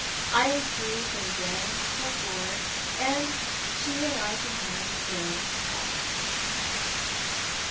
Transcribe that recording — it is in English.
I am free from then till four, and she and I can have a good talk."